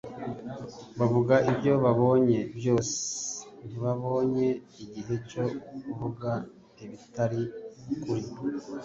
Bavuga ibyo babonye byose; ntibabonye igihe cyo kuvuga ibitari ukuri